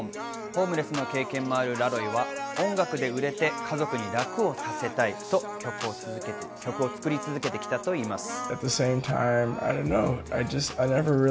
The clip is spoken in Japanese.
ホームレスの経験もあるラロイは音楽で売れて、家族に楽をさせたいと曲を作り続けてきたといいます。